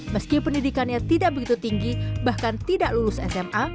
meski pendidikannya tidak begitu tinggi bahkan tidak lulus sma